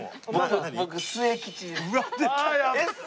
僕末吉です。